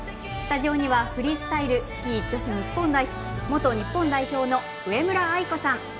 スタジオにはフリースタイルスキー女子元日本代表の上村愛子さん。